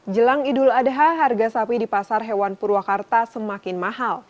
jelang idul adha harga sapi di pasar hewan purwakarta semakin mahal